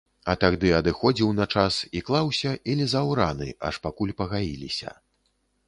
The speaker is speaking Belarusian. А тагды адыходзіў на час, і клаўся, і лізаў раны, аж пакуль пагаіліся.